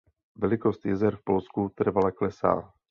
Velikost jezer v Polsku trvale klesá.